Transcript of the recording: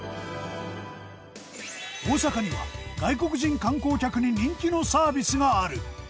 大阪には外国人観光客に人気のサービスがある。